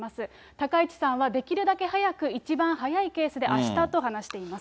高市さんはできるだけ早く、一番早いケースであしたと話しています。